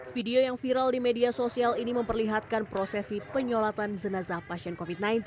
video yang viral di media sosial ini memperlihatkan prosesi penyolatan jenazah pasien covid sembilan belas